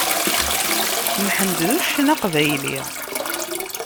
Mḥend d uccen aqbayli.